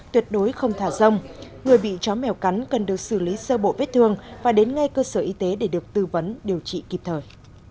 tuyệt đối không thả rông người bị chó mèo cắn cần được xử lý sơ bộ vết thương và đến ngay cơ sở y tế để được tư vấn điều trị kịp thời